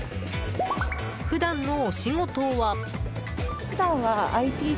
普段のお仕事は。